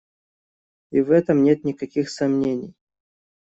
И в этом нет никаких сомнений.